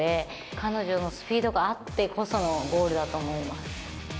彼女のスピードがあってこそのゴールだと思います。